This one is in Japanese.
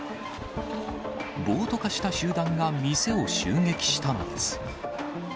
暴徒化した集団が店を襲撃したのです。